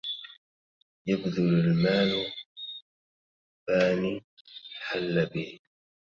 يبذل المال فان حل به